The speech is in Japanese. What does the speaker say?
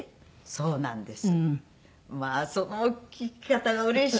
そうなんです。